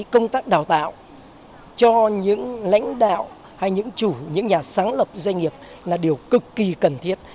công tác đào tạo cho những lãnh đạo hay những chủ những nhà sáng lập doanh nghiệp là điều cực kỳ cần thiết